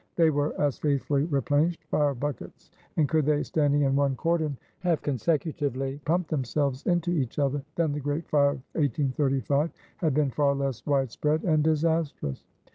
They were as faithfully replenished fire buckets; and could they, standing in one cordon, have consecutively pumped themselves into each other, then the great fire of 1835 had been far less wide spread and disastrous.